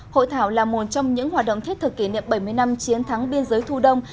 hội thảo là một trong những hoạt động thiết thực kỷ niệm bảy mươi năm chiến thắng biên giới thu đông